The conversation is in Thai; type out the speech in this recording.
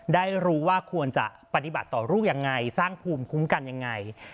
ได้รู้ว่าควรจะปฏิบัติต่อลูกยังไงสร้างภูมิคุ้มกันยังไง